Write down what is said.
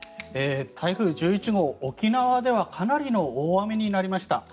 台風１１号、沖縄ではかなりの大雨になりました。